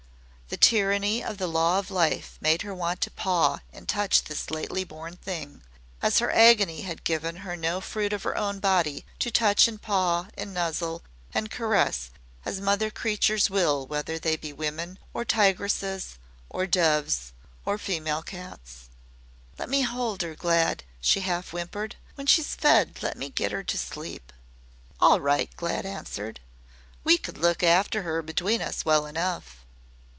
The tyranny of the law of life made her want to paw and touch this lately born thing, as her agony had given her no fruit of her own body to touch and paw and nuzzle and caress as mother creatures will whether they be women or tigresses or doves or female cats. "Let me hold her, Glad," she half whimpered. "When she's fed let me get her to sleep." "All right," Glad answered; "we could look after 'er between us well enough."